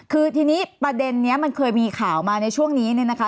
คือทีนี้ประเด็นนี้มันเคยมีข่าวมาในช่วงนี้เนี่ยนะคะ